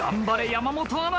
山本アナ。